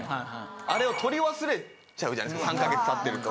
あれを取り忘れちゃうじゃないですか３か月経ってると。